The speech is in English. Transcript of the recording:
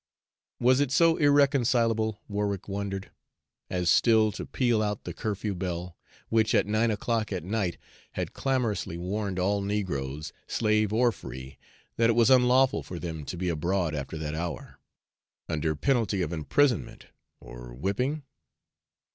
Was it so irreconcilable, Warwick wondered, as still to peal out the curfew bell, which at nine o'clock at night had clamorously warned all negroes, slave or free, that it was unlawful for them to be abroad after that hour, under penalty of imprisonment or whipping?